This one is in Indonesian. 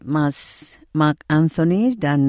mas mark anthony dan